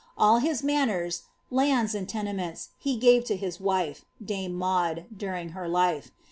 All his manors, lands, and tenements, he gave to his wife* dame Maud, during her life.